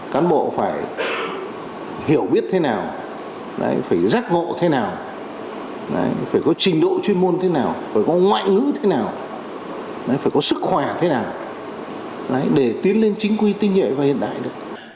cán bộ phải hiểu biết thế nào phải giác ngộ thế nào phải có trình độ chuyên môn thế nào phải có ngoại ngữ thế nào phải có sức khỏe thế nào để tiến lên chính quy tinh nhuệ và hiện đại được